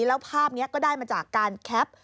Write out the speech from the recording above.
แล้วภาพนี้ก็ได้มาจากการแคป